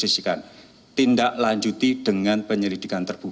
ini kita harus mempelakai terus